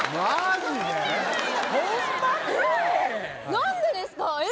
何でですかええ！？